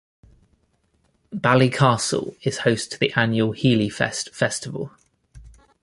Ballycastle is host to the annual Healyfest festival.